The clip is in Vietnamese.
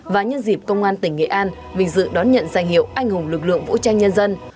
và nhân dịp công an tỉnh nghệ an vinh dự đón nhận danh hiệu anh hùng lực lượng vũ trang nhân dân